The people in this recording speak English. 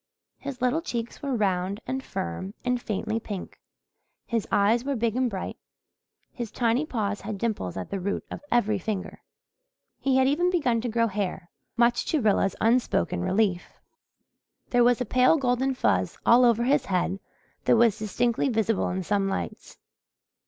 His little cheeks were round and firm and faintly pink, his eyes were big and bright, his tiny paws had dimples at the root of every finger. He had even begun to grow hair, much to Rilla's unspoken relief. There was a pale golden fuzz all over his head that was distinctly visible in some lights.